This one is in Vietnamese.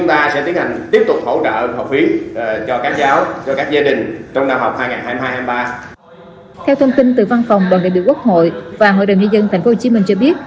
theo thông tin từ văn phòng đoàn đại biểu quốc hội và hội đồng nhân dân tp hcm cho biết